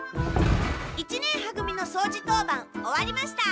一年は組のそうじ当番終わりました！